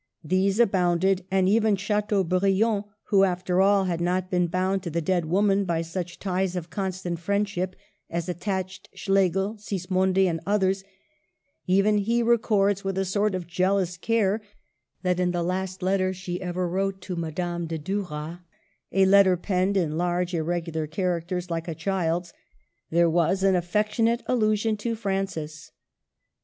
These abounded, and even Chat eaubriand, who, after all, had not been bound to the dead woman by such ties of constant friend ship as attached Schlegel, Sismondi, and others — even he records with a sort of jealous care that in the last letter she ever wrote to Madame de Duras, a letter penned in "large, irregular characters like a child's," there was an affection ate allusion to " Francis."